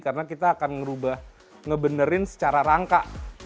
karena kita akan ngerubah ngebenerin secara rangka